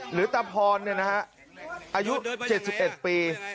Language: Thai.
หรือตับพรเนี่ยนะคะอายุเจ็ดสิบแปดปี